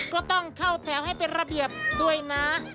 ก็ต้องเข้าแถวให้เป็นระเบียบด้วยนะ